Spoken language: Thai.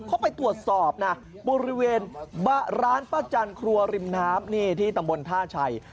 เขาไปตรวจสอบนะบริเวณร้านป้าจันครัวริมน้ำนี่ที่ตำบลท่าชัย